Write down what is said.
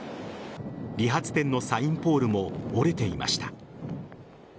理髪店のサインポールも折れていました。